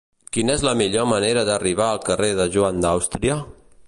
Quina és la millor manera d'arribar al carrer de Joan d'Àustria?